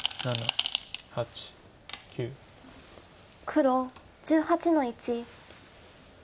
黒１８の一。